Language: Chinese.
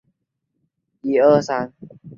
同为男演员的高木万平是其双胞胎哥哥。